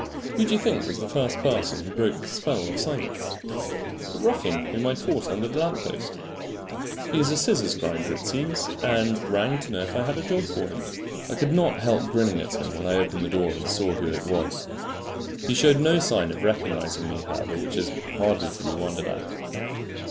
Who do you think was the first person who broke this spell of silence? The ruffian whom I had fought under the lamp post. He is a scissors grinder it seems, and rang to know if I had a job for him. I could not help grinning at him when I opened the door and saw who it was. He showed no sign of recognising me, however, which is hardly to be wondered at.